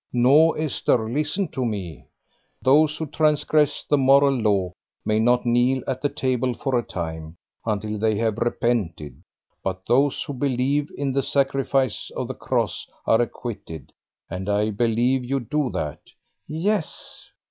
"No, Esther, listen to me. Those who transgress the moral law may not kneel at the table for a time, until they have repented; but those who believe in the sacrifice of the Cross are acquitted, and I believe you do that." "Yes."